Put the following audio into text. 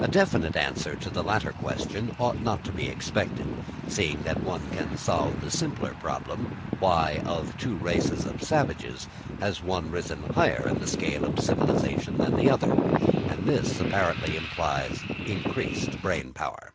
A definite answer to the latter question ought not to be expected, seeing that no one can solve the simpler problem, why, of two races of savages, one has risen higher in the scale of civilisation than the other; and this apparently implies increased brain power.